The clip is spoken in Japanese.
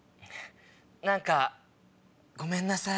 何かごめんなさい。